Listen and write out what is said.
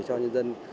cho nhân dân